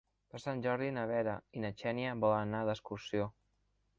Per Sant Jordi na Vera i na Xènia volen anar d'excursió.